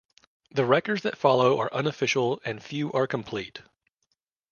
The records that follow are unofficial and few are complete.